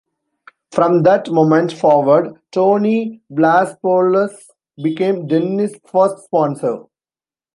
From that moment forward, Tony Vlassopulos became Dennis' first sponsor.